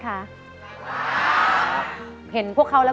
โทษให้